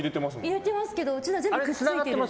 入れていますけどうちのは全部くっついてる。